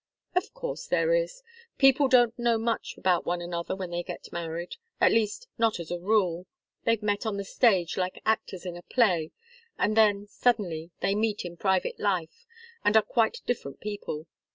"Of course there is. People don't know much about one another when they get married. At least, not as a rule. They've met on the stage like actors in a play and then, suddenly, they meet in private life, and are quite different people.